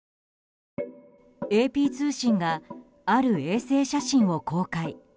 ＡＰ通信がある衛星写真を公開。